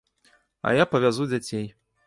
А я павязу дзяцей.